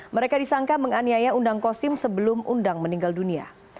mereka disangka menganiaya undang kosim sebelum undang meninggal dunia